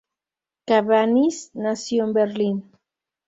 Cabanis nació en Berlín.